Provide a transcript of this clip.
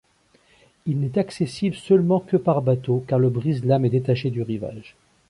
Il n'est accessible seulement que par bateau car le brise-lames est détaché du rivage.